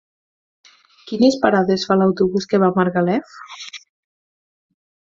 Quines parades fa l'autobús que va a Margalef?